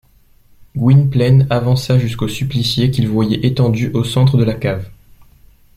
Gwynplaine avança jusqu’au supplicié qu’il voyait étendu au centre de la cave.